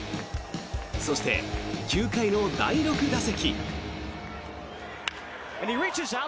そして、９回の第６打席。